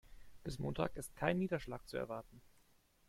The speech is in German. Bis Montag ist kein Niederschlag zu erwarten.